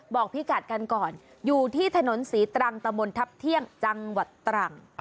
บอกพี่กัดกันก่อนอยู่ที่ถนนศรีตรังตะมนทัพเที่ยงจังหวัดตรัง